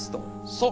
そう。